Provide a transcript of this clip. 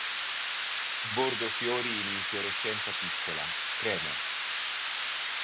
Bordo fiori in infiorescenza piccola, crema.